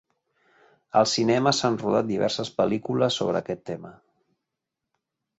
Al cinema s'han rodat diverses pel·lícules sobre aquest tema.